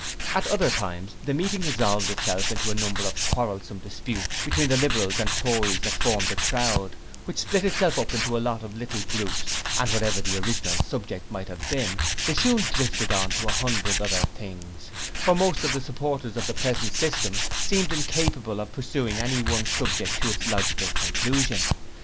At other times the meeting resolved itself into a number of quarrelsome disputes between the Liberals and Tories that formed the crowd, which split itself up into a lot of little groups and whatever the original subject might have been they soon drifted to a hundred other things, for most of the supporters of the present system seemed incapable of pursuing any one subject to its logical conclusion.